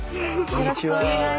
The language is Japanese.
よろしくお願いします。